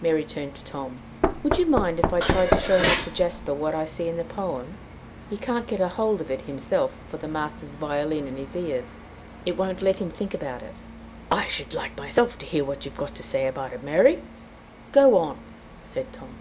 Mary turned to Tom. "Would you mind if I tried to show Mr. Jasper what I see in the poem? He can't get a hold of it himself for the master's violin in his ears; it won't let him think about it." "I should like myself to hear what you have got to say about it, Mary! Go on," said Tom.